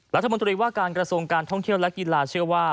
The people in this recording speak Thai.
รัฐมนตรีว่าการกระทรวงการท่องเที่ยวและกีฬาเชื่อว่า